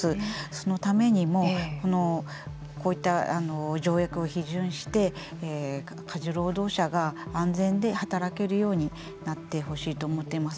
そのためにもこういった条約を批准して家事労働者が安全に働けるようになってほしいと思っています。